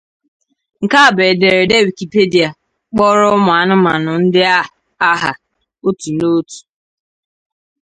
Nke a bụ ederede Wikipedia kpọrọ ụmụanụmanụ ndị a aha n’otù n’otù.